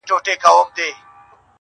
هم به د دوست، هم د رقیب له لاسه زهر چښو٫